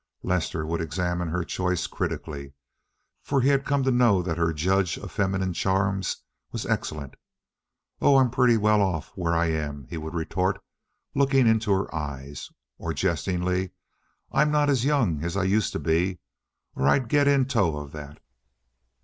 Lester would examine her choice critically, for he had come to know that her judge of feminine charms was excellent. "Oh, I'm pretty well off where I am," he would retort, looking into her eyes; or, jestingly, "I'm not as young as I used to be, or I'd get in tow of that."